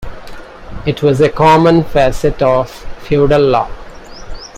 It was a common facet of feudal law.